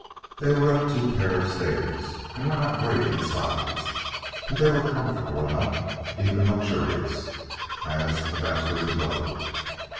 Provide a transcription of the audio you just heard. They were up two pair of stairs, and were not great in size; but they were comfortable enough, and even luxurious, as a bachelor's abode.